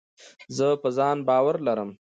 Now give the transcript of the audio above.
زه په ځان باور لرم.